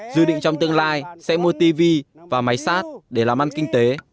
dự định trong tương lai sẽ mua tv và máy sát để làm ăn kinh tế